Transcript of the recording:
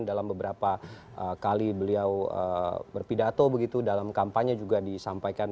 dalam beberapa kali beliau berpidato begitu dalam kampanye juga disampaikan